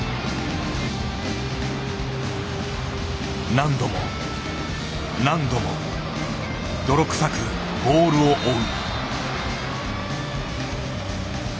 何度も何度も泥臭くボールを追う。